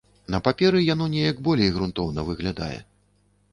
На паперы яно неяк болей грунтоўна выглядае.